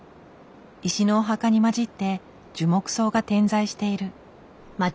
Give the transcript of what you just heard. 石のお墓に交じって樹木葬が点在している。